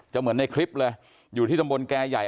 เหมือนในคลิปเลยอยู่ที่ตำบลแก่ใหญ่